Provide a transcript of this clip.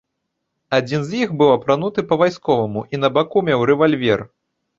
Адзін з іх быў апрануты па-вайсковаму і на баку меў рэвальвер.